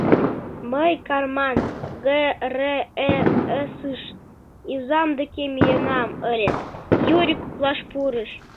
— Мый Карман ГРЭС-ыш изам деке миенам ыле, — Юрик коклаш пурыш.